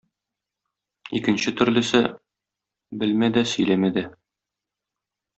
икенче төрлесе — белмә дә, сөйләмә дә;